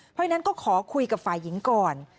เพราะฉะนั้นก็ขอคุยกับฝ่ายหญิงก่อน